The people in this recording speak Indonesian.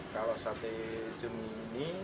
kalau sate cumi ini